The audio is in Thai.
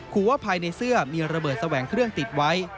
ขอว่าภายในเสื้อมีระเบิดแสวงเครื่องติดไว้